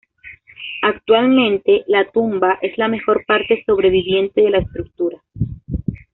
Actualmente, la tumba es la mejor parte sobreviviente de la estructura.